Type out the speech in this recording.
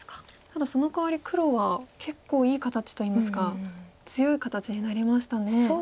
ただそのかわり黒は結構いい形といいますか強い形になりましたね。